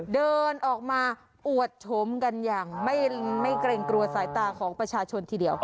เดินออกมาอวดชมกันอย่างไม่เกรงกลัวสายตาของประชาชนทีเดียว